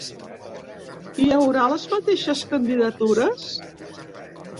Hi haurà les mateixes candidatures?